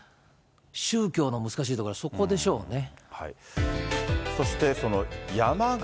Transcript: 宗教の難しいところはそこでしょうね。